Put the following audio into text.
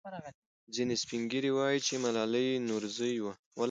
ځینې سپین ږیري وایي چې ملالۍ نورزۍ وه.